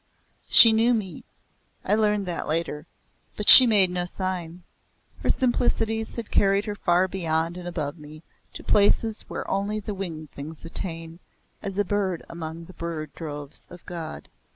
She knew me. I learnt that later, but she made no sign. Her simplicities had carried her far beyond and above me, to places where only the winged things attain "as a bird among the bird droves of God."